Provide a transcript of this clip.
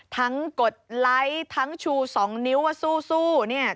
กดไลค์ทั้งชู๒นิ้วว่าสู้เนี่ย